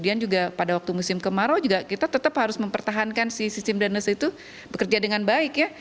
ya pada waktu musim kemarau juga kita tetap harus mempertahankan sistem drainase itu bekerja dengan baik ya